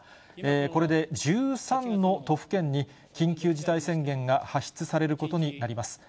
これで１３の都府県に、緊急事態宣言が発出されることになります。